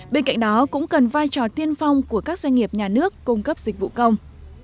bên cạnh đó cũng cần vai trò tiên phong của các doanh nghiệp nhà nước cung cấp dịch vụ công